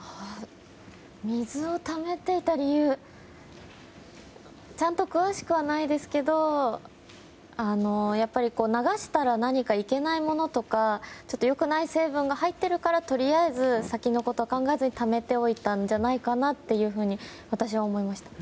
水をためていた理由。ちゃんと詳しくはないんですけどやっぱり、流したら何かいけないものとかちょっとよくない成分が入っているからとりあえず先のことを考えずにためておいたんじゃないかなっていうふうに私は思いました。